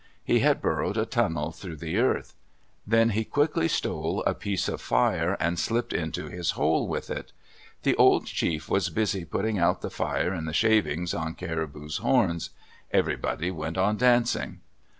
He had burrowed a tunnel through the earth. Then he quickly stole a piece of fire and slipped into his hole with it. The old chief was busy putting out the fire in the shavings on Caribou's horns. Everybody went on dancing.